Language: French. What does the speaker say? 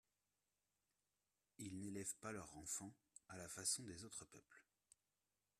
Ils n'élèvent pas leurs enfants à la façon des autres peuples.